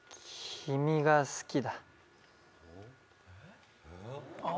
君が好きだ。